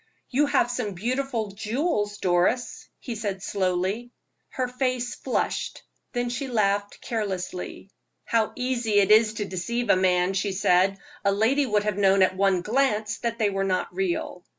"You have some beautiful jewels, Doris," he said, slowly. Her face flushed, then she laughed carelessly. "How easy it is to deceive a man," she said; "a lady would have known at one glance that they were not real."